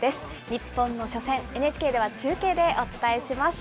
日本の初戦、ＮＨＫでは中継でお伝えします。